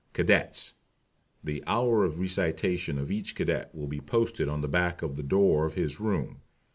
CADETS. The hours of Recitation of each Cadet will be posted on the back of the door of his room.